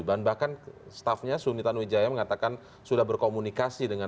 bahkan staff nya suni tanuwijaya mengatakan sudah berkomunikasi dengan